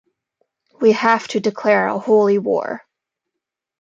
We have to declare a holy war.